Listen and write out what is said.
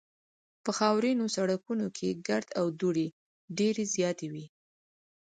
په خاورینو سړکونو کې ګرد او دوړې ډېرې زیاتې وې